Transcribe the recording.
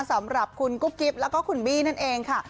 สำหรับคุณกุ๊บกิ๊บแล้วก็คุณบี้นั่นเองค่ะ